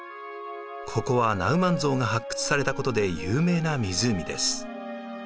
ここはナウマンゾウが発掘されたことで有名な湖です。